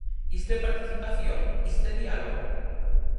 ¿Isto é participación?, ¿isto é diálogo?